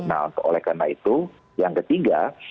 nah oleh karena itu yang ketiga